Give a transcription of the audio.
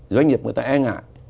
doanh nghiệp người ta e ngại